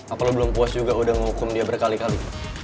apa lo belum puas juga udah menghukum dia berkali kali